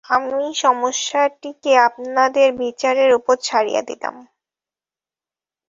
আমি সমস্যাটিকে আপনাদের বিচারের উপর ছাড়িয়া দিলাম।